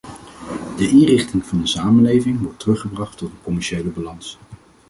De inrichting van de samenleving wordt teruggebracht tot een commerciële balans.